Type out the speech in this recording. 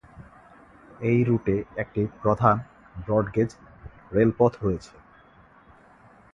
এই রুটে একটি প্রধান ব্রডগেজ রেলপথ রয়েছে।